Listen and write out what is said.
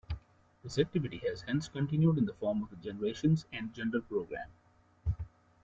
This activity has hence continued in the form of the Generations and Gender Programme.